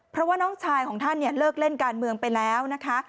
เพราะว่าน้องชายของท่านเนี่ยเลิกเล่นการเมืองไปแล้วนะคะ